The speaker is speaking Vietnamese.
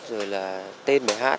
rồi là tên bài hát